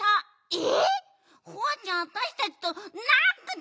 え！